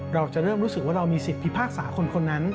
เราจะเริ่มรู้สึกว่าเรามีสิทธิพิพากษาคนนั้น